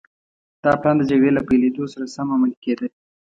دا پلان د جګړې له پيلېدو سره سم عملي کېده.